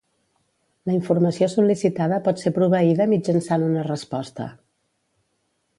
La informació sol·licitada pot ser proveïda mitjançant una resposta.